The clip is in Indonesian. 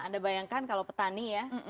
anda bayangkan kalau petani ya